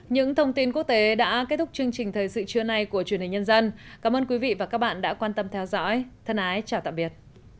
những thông tin quốc tế đã kết thúc chương trình thời sự trưa nay của truyền hình nhân dân cảm ơn quý vị và các bạn đã quan tâm theo dõi thân ái chào tạm biệt